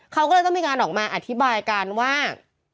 เขาก็เลยต้องมีการออกมาอธิบายกันว่า